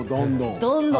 どんどん。